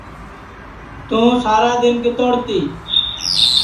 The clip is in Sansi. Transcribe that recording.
توں سارا دؔن کِتوڑ تی